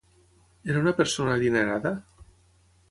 Era una persona adinerada?